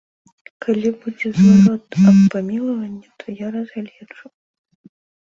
Калі будзе зварот аб памілаванні, то я разгледжу.